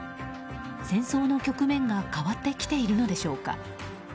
戦争の局面が変わってきているのでしょうか。